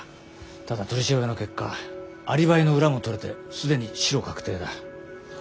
ただ取り調べの結果アリバイの裏も取れて既にシロ確定だ。